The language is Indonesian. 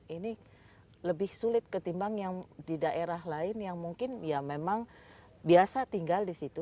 ini lebih sulit ketimbang yang di daerah lain yang mungkin ya memang biasa tinggal di situ